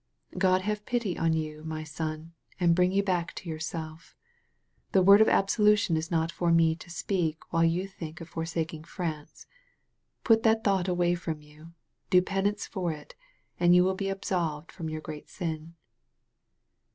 "God have pity on you, my son, and bring you back to yourself. The word of absolution is not for me to speak while you think of forsaking France. Put that thought away from you, do penance fpr it, and you will be absolved from your great sin."